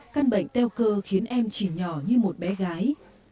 căn bệnh teo cơ khiến em chỉ nhỏ như một bé gái